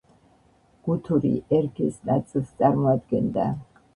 გუთური ერგეს ნაწილს წარმოადგენდა.